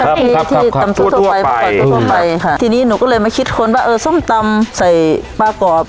ใช่ใช่ที่ที่ตำซั่วทั่วไปทั่วไปที่นี่หนูก็เลยมาคิดค้นว่าเออส้มตำใส่ปลากรอบ